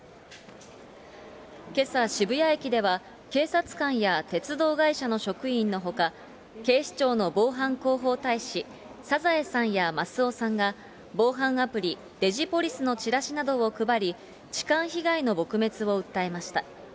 けさ、渋谷駅では警察官や鉄道会社の職員のほか、警視庁の防犯広報大使、サザエさんやマスオさんが、防犯アプリ、デジポリスのチラシなどを配り、痴漢被害の撲滅を訴えました。